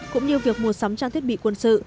cũng như việc mua sắm trang thiết bị quân sự